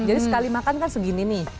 jadi sekali makan kan segini nih